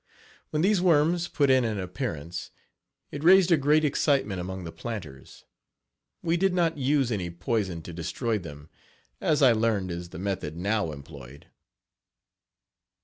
When these worms put in an appearance it raised a great excitement among the planters. We did not use any poison to destroy them, as I learn is the method now employed.